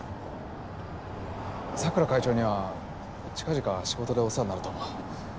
佐倉会長には近々仕事でお世話になると思う。